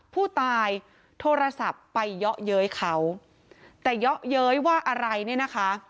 ผู้ตายโทรศัพท์ไปเยาะเย้ยเขาแต่เยาะเย้ยว่าอะไรเนี่ยนะคะ